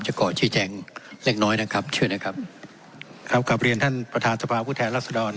จะก่อชีวิตแจงเล็กน้อยนะครับเชื่อนะครับครับกับเรียนท่านประธานสภาพฤทธิ์ลักษณ์ลักษณ์สุดร